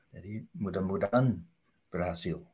jadi mudah mudahan berhasil